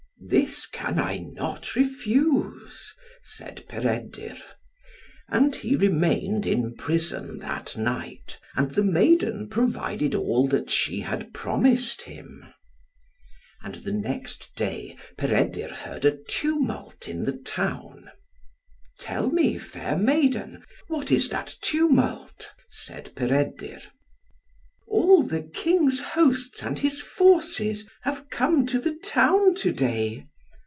"This can I not refuse," said Peredur. And he remained in prison that night. And the maiden provided all that she had promised him. And the next day Peredur heard a tumult in the town. "Tell me, fair maiden, what is that tumult?" said Peredur. "All the King's hosts and his forces have come to the town to day."